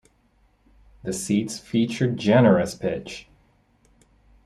The seats featured generous pitch.